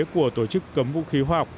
của tổ chức cấm vũ khí hoa học